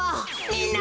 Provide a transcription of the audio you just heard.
みんな！